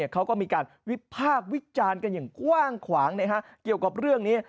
เขาก็มีการวิพากษ์วิจารณ์กันอย่างกว้างขวางเกี่ยวกับเรื่องนี้